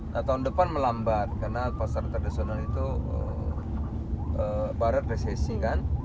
nah tahun depan melambat karena pasar tradisional itu barat resesi kan